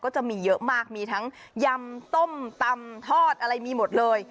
จะมีเยอะมากมีทั้งยำส้มตำทอดอะไรมีหมดเลย